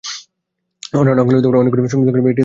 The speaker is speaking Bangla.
অন্যান্য আঙ্গুলে অনেকগুলো সংযোগ থাকলেও এটিতে কোন সংযোগ নেই।